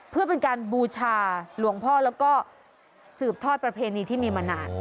เพื่อเป็นการบูชาหลวงพ่อแล้วก็สืบทอดประเพณีที่มีมานาน